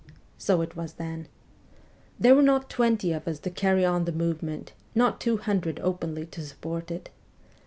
So it was then There were not twenty of us to carry on the movement, not two hundred openly to support it.